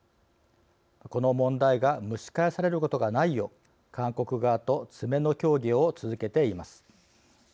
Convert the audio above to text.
この問題が蒸し返されることがないよう韓国側と詰めの協議を続けています。